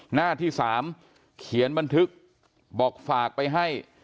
หน้าที่๓เขียนบันทึกบอกฝากไปให้